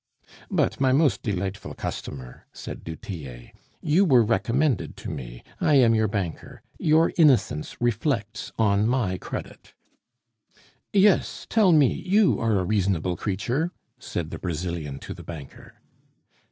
"But, my most delightful customer," said du Tillet, "you were recommended to me; I am your banker; your innocence reflects on my credit." "Yes, tell me, you are a reasonable creature " said the Brazilian to the banker.